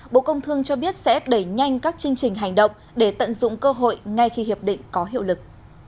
bộ công thương cho biết sẽ đẩy nhanh các chương trình hành động để tận dụng cơ hội ngay khi hiệp định có hiệu lực